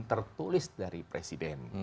tertulis dari presiden